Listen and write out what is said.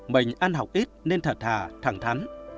mình ăn học ít nên thật thà thẳng thắn